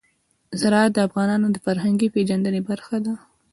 زراعت د افغانانو د فرهنګي پیژندنې برخه ده.